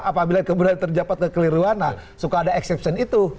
apabila kemudian terjapat kekeliruan nah suka ada exception itu